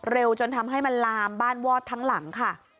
จนทำให้มันลามบ้านวอดทั้งหลังค่ะ